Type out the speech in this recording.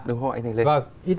đúng không anh thành lê